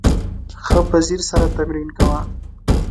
ښه په ځیر سره تمرین کوه !